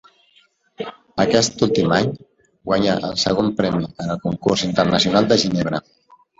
Aquest últim any, guanyà el segon premi en el Concurs Internacional de Ginebra.